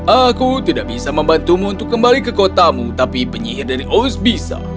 aku tidak bisa membantumu untuk kembali ke kotamu tapi penyihir dari oz bisa